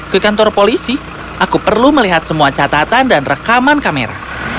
ke kantor polisi aku perlu melihat semua catatan dan rekaman kamera